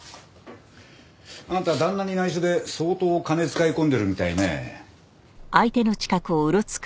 あんた旦那に内緒で相当金使い込んでるみたいね。